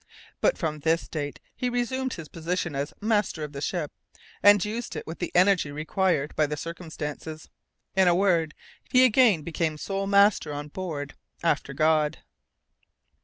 But from this date he resumed his position as master of the ship, and used it with the energy required by the circumstances; in a word, he again became sole master on board, after God.